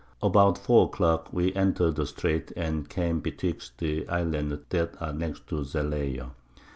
About 4 a Clock we enter'd the Streight, and came betwixt the Islands that are next to Zalayer.